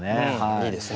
いいですね。